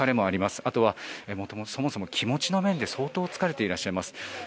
あとはそもそも気持ちの面で相当疲れていらっしゃいます。